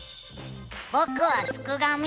ぼくはすくがミ。